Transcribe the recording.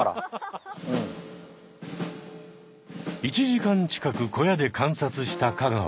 １時間近く小屋で観察した香川。